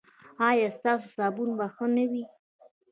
ایا ستاسو صابون به ښه نه وي؟